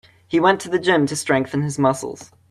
He went to gym to strengthen his muscles.